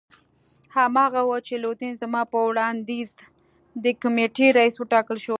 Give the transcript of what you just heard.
هماغه وو چې لودین زما په وړاندیز د کمېټې رییس وټاکل شو.